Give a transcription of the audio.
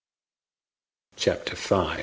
CHAPTER V.